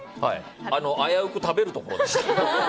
危うく食べるところでした。